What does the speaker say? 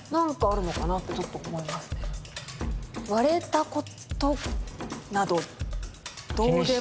割れたことなどどうでもいい。